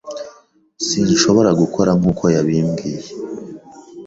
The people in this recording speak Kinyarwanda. Sinshobora gukora nkuko yabimbwiye.